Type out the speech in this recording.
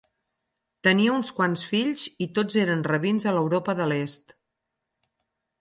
Tenia uns quants fills i tots eren rabins a Europa de l'Est.